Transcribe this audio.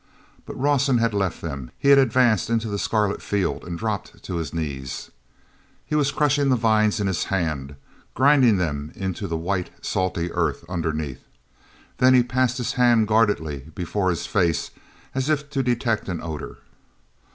But Rawson had left them; he had advanced into the scarlet field and dropped to his knees. e was crushing the vines in his hands, grinding them into the white, salty earth underneath. Then he passed his hands guardedly before his face as if to detect an odor.